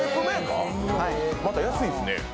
また安いですね。